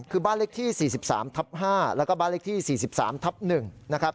คือบ้านเลขที่๔๓ทับ๕แล้วก็บ้านเลขที่๔๓ทับ๑นะครับ